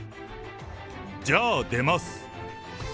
じゃあ、出ます。